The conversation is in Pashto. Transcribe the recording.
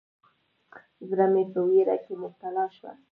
زړه مې په ویره کې مبتلا شو.